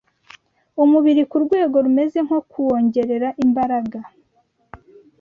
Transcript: umubiri ku rwego rumeze nko kuwongerera imbaraga